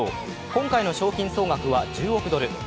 今回の賞金総額は１０億ドル。